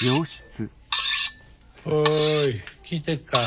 おい聞いてっか？